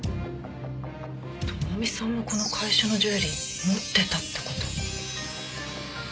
朋美さんもこの会社のジュエリー持ってたって事？